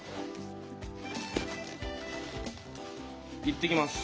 行ってきます。